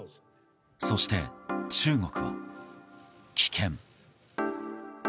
そして、中国は棄権。